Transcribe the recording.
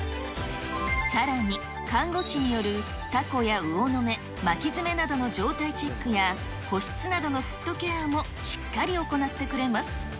さらに、看護師によるタコや魚の目、巻き爪などの状態チェックや、保湿などのフットケアもしっかり行ってくれます。